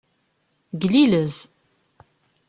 Glilez.